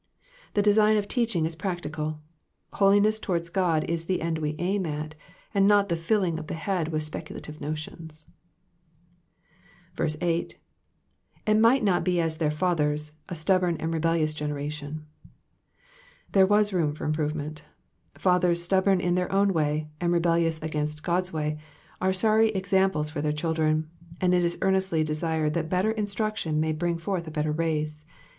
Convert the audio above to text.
The design of teaching is prac tical ; holiness towards God is the end we aim at, and not the filling of the head with speculative notions. 8. i4/id might not he as their fathers^ a sttdthom and rd>eUious generation.'*'* There was room for improvement. Fathers stubborn in their own way, and rebellious against God's way, are sorry examples for their children ; and it is earnestly desired that better instruction may bring forth a better race.